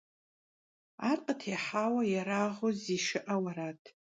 Ар къытехьауэ ерагъыу зишыӀэу арат.